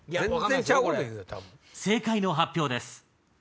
正解の発表です。